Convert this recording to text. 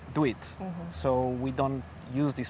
jadi kita tidak menggunakan